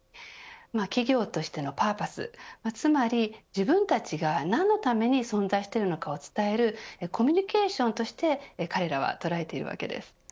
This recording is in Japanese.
企業としてのパーパス、つまり自分たちが何のために存在しているのかを伝えるコミュニケーションとして彼らは捉えているわけです。